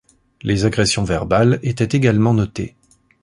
Les agressions verbales étaient également notées.